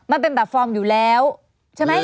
มันเป็นแบบฟอร์มอยู่แล้วใช่ไหม